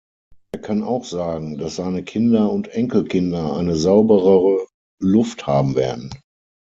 Er kann auch sagen, dass seine Kinder und Enkelkinder eine sauberere Luft haben werden.